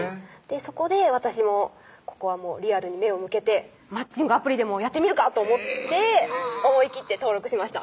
そこで私もここはリアルに目を向けてマッチングアプリでもやってみるかと思って思いきって登録しました